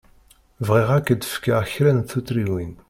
Bɣiɣ ad k-d-fkeɣ kra n tuttriwin.